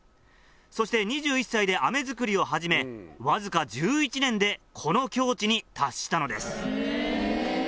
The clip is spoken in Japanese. そして２１歳で飴作りを始めわずか１１年でこの境地に達したのです。